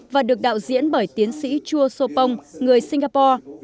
và được đạo diễn bởi tiến sĩ chua sopong người singapore